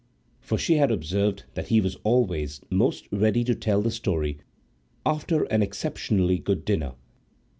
For she had observed that he was always most ready to tell the story after an exceptionally good dinner.